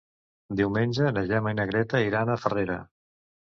Diumenge na Gemma i na Greta iran a Farrera.